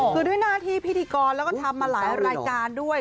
คือด้วยหน้าที่พิธีกรแล้วก็ทำมาหลายรายการด้วย